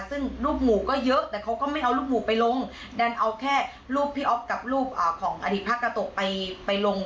ซึ่งรูปหมู่ก็เยอะแต่เขาก็ไม่เอารูปหมู่ไปลงดันเอาแค่รูปพี่อ๊อฟกับรูปของอดีตพระกาโตะไปไปลง